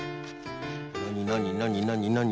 なになになになに？